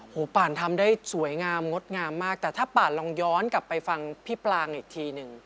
ป่านทำได้สวยงามงดงามมากแต่ถ้าป่านลองย้อนกลับไปฟังพี่ปลางอีกทีหนึ่ง